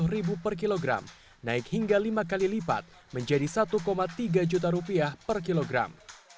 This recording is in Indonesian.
dua ratus lima puluh ribu per kilogram naik hingga lima kali lipat menjadi satu tiga juta rupiah per kilogram